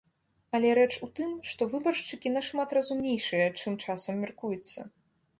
Але рэч у тым, што выбаршчыкі нашмат разумнейшыя, чым часам мяркуецца.